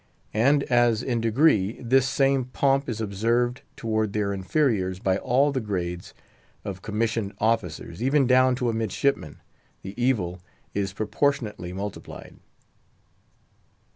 And as, in degree, this same pomp is observed toward their inferiors by all the grades of commissioned officers, even down to a midshipman, the evil is proportionately multiplied.